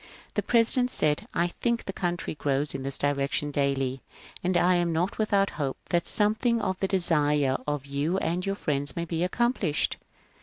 The President said, " I think the country grows in this direction daily, and I am not without hope that something of the desire of you and your friends may be accomplished.